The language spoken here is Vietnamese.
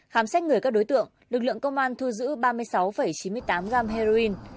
khám xét người các đối tượng lực lượng công an thu giữ ba mươi sáu chín mươi tám gram heroin